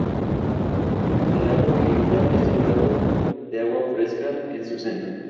El lago Utah es un lago de agua fresca en su centro.